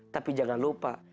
iya tapi jangan lupa